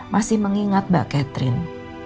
masih mengingat mbak catherine